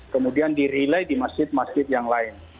kemudian dirilai di masjid masjid yang lain